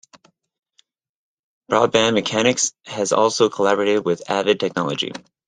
Broadband Mechanics has also collaborated with Avid Technology.